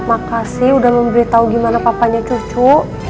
makasih udah memberitahu gimana papanya cucu